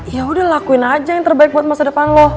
yaudah lakuin aja yang terbaik buat masa depan lo